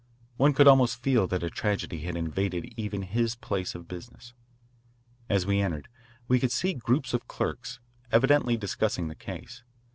One could almost feel that a tragedy had invaded even his place of business. As we entered, we could see groups of clerks, evidently discussing the case.